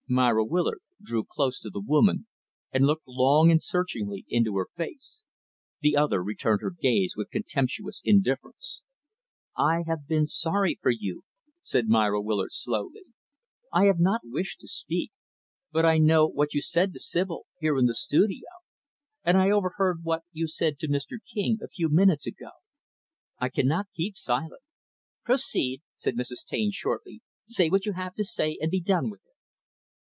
Myra Willard drew close to the woman and looked long and searchingly into her face. The other returned her gaze with contemptuous indifference. "I have been sorry for you," said Myra Willard slowly. "I have not wished to speak. But I know what you said to Sibyl, here in the studio; and I overheard what you said to Mr. King, a few minutes ago. I cannot keep silent." "Proceed," said Mrs. Taine, shortly. "Say what you have to say, and be done with it."